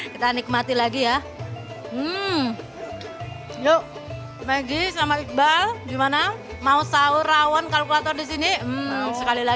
kita nikmati lagi ya hmm yo maggi sama iqbal gimana mau sahur rawon kalkulator di sini sekali